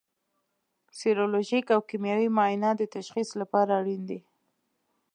سیرولوژیک او کیمیاوي معاینات د تشخیص لپاره اړین دي.